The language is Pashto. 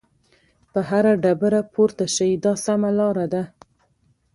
په هره ډبره پورته شئ دا سمه لار ده.